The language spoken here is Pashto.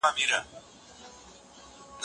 که مې ځيګه شړۍ په سر وي